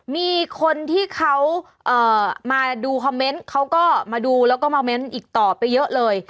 มีคนที่เขามาดูคอมเมนต์เขาก็มาดูแล้วก็มาเมนต์อีกต่อไปเยอะเลย